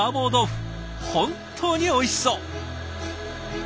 本当においしそう！